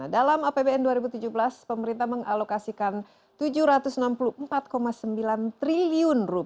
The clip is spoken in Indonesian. dalam apbn dua ribu tujuh belas pemerintah mengalokasikan rp tujuh ratus enam puluh empat sembilan triliun